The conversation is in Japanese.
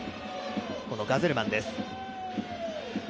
ガゼルマンです。